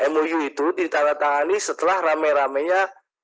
mou itu ditanda tangani setelah rame ramenya